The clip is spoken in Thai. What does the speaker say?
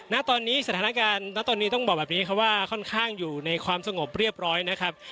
ณตอนนี้สถานการณ์ณตอนนี้ต้องบอกแบบนี้ครับว่าค่อนข้างอยู่ในความสงบเรียบร้อยนะครับ